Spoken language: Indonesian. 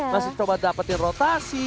masih coba dapetin rotasi